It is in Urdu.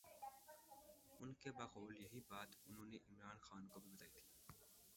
ان کے بقول یہی بات انہوں نے عمران خان کو بھی بتائی تھی۔